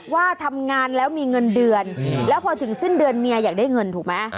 ว่าทำงานแล้วมีเงินเดือนแล้วพอถึงสิ้นเดือนเมียอยากได้เงินถูกไหม